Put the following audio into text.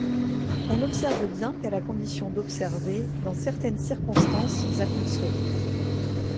On n’observe bien qu’à la condition d’observer dans certaines circonstances atmosphériques.